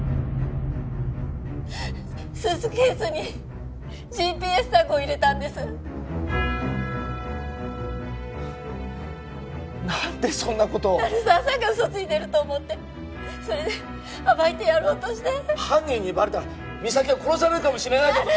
スーツケースにＧＰＳタグを入れたんです何でそんなことを鳴沢さんが嘘ついてると思ってそれで暴いてやろうとして犯人にバレたら実咲は殺されるかもしれないんだぞ